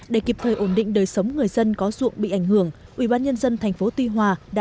để kịp thời ổn định đời sống người dân có ruộng bị ảnh hưởng ubnd tp tuy hòa đã